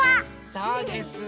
そうです。